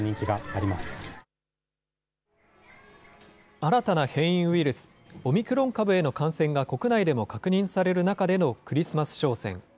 新たな変異ウイルス、オミクロン株への感染が国内でも確認される中でのクリスマス商戦。